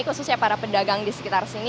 khususnya para pedagang di sekitar sini